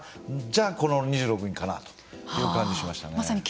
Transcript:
じゃあ、この２６人かなという気がしますね。